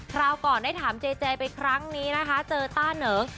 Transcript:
คราวก่อนได้ถามเจเจไปครั้งนี้นะคะเจอต้าเหนิง